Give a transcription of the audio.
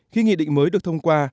khi nghị định mới được thông qua